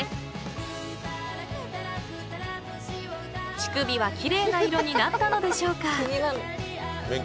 ［乳首は奇麗な色になったのでしょうか？］